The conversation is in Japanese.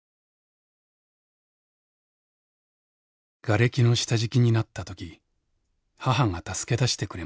「がれきの下敷きになった時母が助け出してくれました。